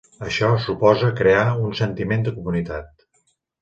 Això suposa crear un sentiment de comunitat.